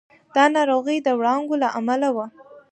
دا ناروغي د وړانګو له امله وه.